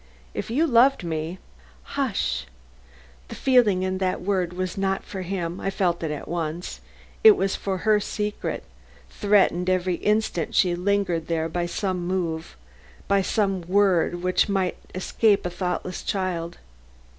If you loved me " "Hush!" The feeling in that word was not for him. I felt it at once; it was for her secret, threatened every instant she lingered there by some move, by some word which might escape a thoughtless child.